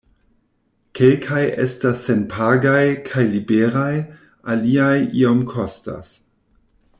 Kelkaj estas senpagaj kaj liberaj, aliaj iom kostas.